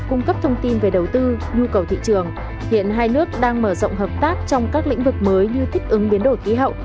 cung cấp thông tin về đầu tư nhu cầu thị trường hiện hai nước đang mở rộng hợp tác trong các lĩnh vực mới như thích ứng biến đổi khí hậu